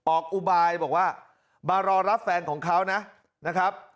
อุบายบอกว่ามารอรับแฟนของเขานะครับ